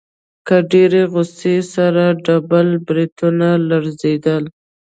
له ډېرې غوسې يې سره ډبل برېتونه لړزېدل.